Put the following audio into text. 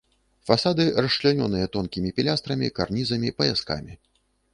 Фасады расчлянёныя тонкімі пілястрамі, карнізамі, паяскамі.